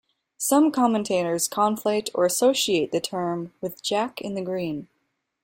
Some commentators conflate or associate the term with "Jack in the Green".